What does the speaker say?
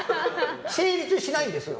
成立しないんですよ。